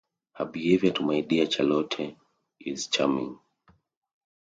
Her behaviour to my dear Charlotte is charming.